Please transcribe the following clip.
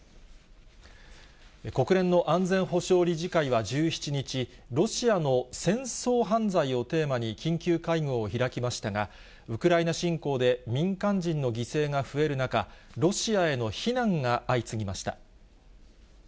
国連の安全保障理事会は１７日、ロシアの戦争犯罪をテーマに緊急会合を開きましたが、ウクライナ侵攻で民間人の犠牲が増える中、ロシアへの非難が相次ぎました。